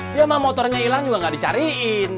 dia mah motornya hilang juga gak dicariin